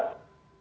sudah mulai dengan